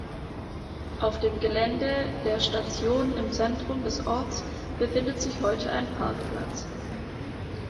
Auf dem Gelände der Station im Zentrum des Orts befindet sich heute ein Parkplatz.